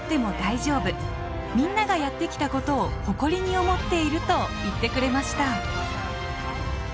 みんながやってきたことを誇りに思っていると言ってくれました。